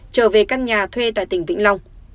trở về căn nhà thuê tại tỉnh vĩnh long